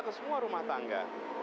ke semua rumah tangga